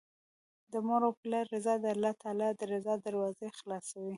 د مور او پلار رضا د الله تعالی د رضا دروازې خلاصوي